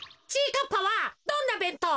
かっぱはどんなべんとう？